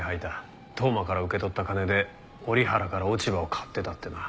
当麻から受け取った金で折原から落ち葉を買ってたってな。